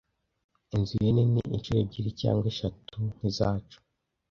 Inzu ye nini inshuro ebyiri cyangwa eshatu nkizacu.